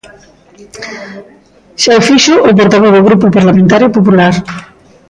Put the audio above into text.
Xa o fixo o portavoz do Grupo Parlamentario Popular.